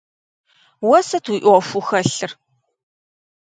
Уэ сыт уи ӏуэхуу хэлъыр?